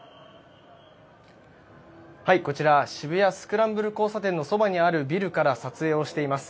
こちら渋谷・スクランブル交差点のそばにあるビルから撮影をしています。